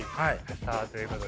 さあということで。